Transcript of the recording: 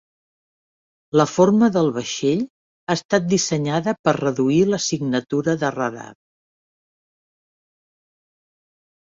La forma del vaixell ha estat dissenyada per reduir la signatura de radar.